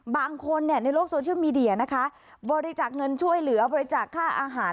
บางคนเนี่ยในโลกโซเชียลมีเดียนะคะบริจาคเงินช่วยเหลือบริจาคค่าอาหาร